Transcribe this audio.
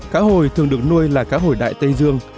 cá hồi thường được nuôi là cá hồi đại tây dương